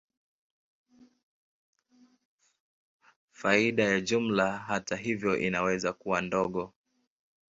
Faida ya jumla, hata hivyo, inaweza kuwa ndogo.